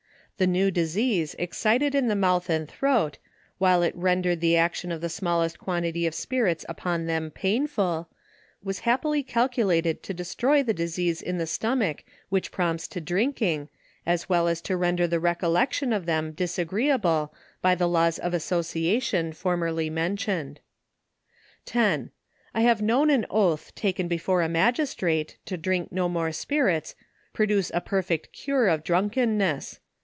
The new disease excited in the mouth and throat, while it rendered the action of the smallest quantity of spirits upon them painful, was happily calculated to destroy the disease in the stomach which prompts to drinking, as well as to render the re collection of them disagreeable, by the laws of association formerly mentioned. 10. I have known an oath taken before a magistrate, to drink no more spirits, produce a perfect cure of drunk enness.